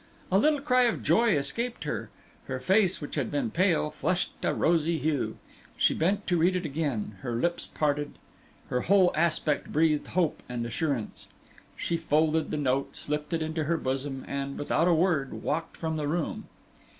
A little cry of joy escaped her. Her face, which had been pale, flushed a rosy hue. She bent to read it again, her lips parted. Her whole aspect breathed hope and assurance. She folded the note, slipped it into her bosom, and, without a word, walked from the room.